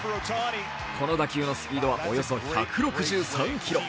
この打球のスピードはおよそ１６３キロ。